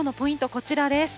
こちらです。